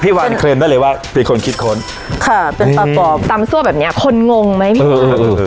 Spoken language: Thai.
วันเคลมได้เลยว่าเป็นคนคิดค้นค่ะเป็นประกอบตำซั่วแบบเนี้ยคนงงไหมพี่เออ